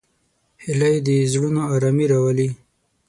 هیلۍ د زړونو آرامي راولي